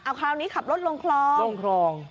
เอาคราวนี้ขับรถลงคลอง